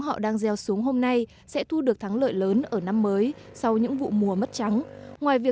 họ đang gieo xuống hôm nay sẽ thu được thắng lợi lớn ở năm mới sau những vụ đánh giá